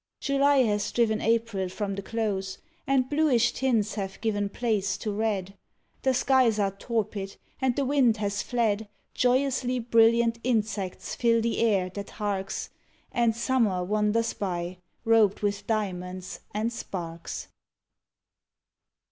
July has driven April from the close And bluish tints have given place to red, The skies are torpid and the wind has fled; Joyously brilliant insects fill the air That harks, And summer wanders by, robed with diamonds And sparks.